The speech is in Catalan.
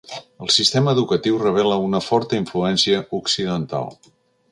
El sistema educatiu revela una forta influència occidental.